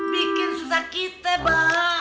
bikin susah kita mbak